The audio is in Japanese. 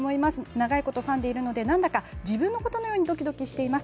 長いことファンでいるので自分のことのようにドキドキしています。